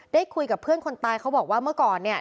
ได้คุยกับเพื่อนคนตายเขาบอกว่าเมื่อก่อนเนี่ย